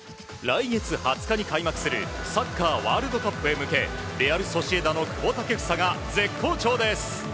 来月２０日に開幕するサッカーワールドカップに向けレアル・ソシエダの久保建英が絶好調です！